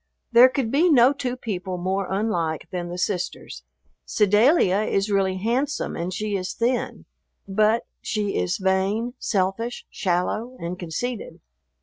There could be no two people more unlike than the sisters. Sedalia is really handsome, and she is thin. But she is vain, selfish, shallow, and conceited.